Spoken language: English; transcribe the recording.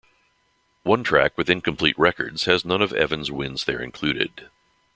One track with incomplete records has none of Evans' wins there included.